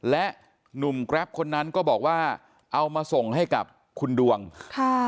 และหนุ่มแกรปคนนั้นก็บอกว่าเอามาส่งให้กับคุณดวงค่ะ